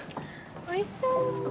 おいしそう。